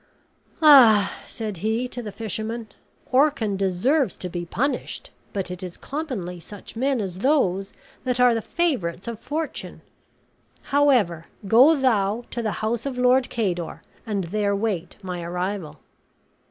"Ah!" said he to the fisherman, "Orcan deserves to be punished; but it is commonly such men as those that are the favorites of fortune. However, go thou to the house of Lord Cador, and there wait my arrival."